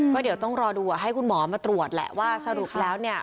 ก็เดี๋ยวต้องรอดูให้คุณหมอมาตรวจแหละว่าสรุปแล้วเนี่ย